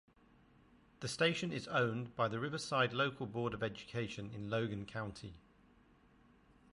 The station is owned by the Riverside Local Board of Education in Logan County.